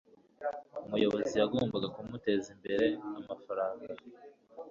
umuyobozi yagombaga kumuteza imbere amafaranga